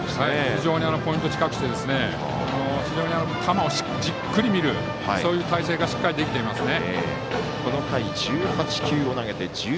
非常にポイントを近くして非常に球をじっくり見るそういう体制がしっかりできていますね。